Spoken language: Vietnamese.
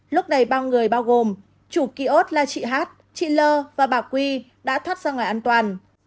lúc này ba người bao gồm chủ ký ốt là chị hát chị lơ và bà quy đã thoát ra ngoài an toàn